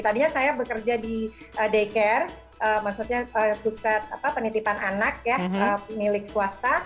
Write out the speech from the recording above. tadinya saya bekerja di daycare maksudnya pusat penitipan anak ya milik swasta